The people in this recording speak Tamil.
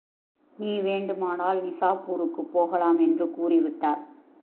நீ வேண்டுமானால் நிசாப்பூருக்குப் போகலாம் என்று கூறிவிட்டார்.